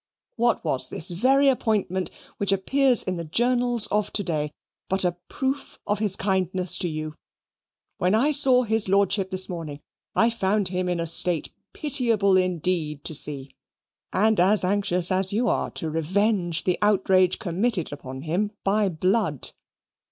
What was this very appointment, which appears in the journals of to day, but a proof of his kindness to you? When I saw his Lordship this morning I found him in a state pitiable indeed to see, and as anxious as you are to revenge the outrage committed upon him, by blood.